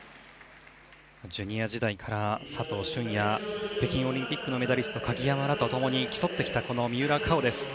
ジュニア時代から佐藤駿や北京オリンピックのメダリスト鍵山らと共に競ってきた三浦佳生。